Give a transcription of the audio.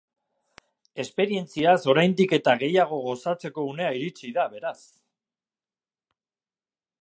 Esperientziaz oraindik eta gehiago gozatzeko unea iritsi da, beraz.